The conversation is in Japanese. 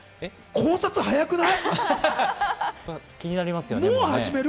考察早くない？